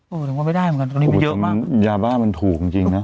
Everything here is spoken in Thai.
ถือว่าไม่ได้เหมือนกันตอนนี้มันเยอะมากยาบ้ามันถูกจริงจริงนะ